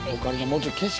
もうちょい景色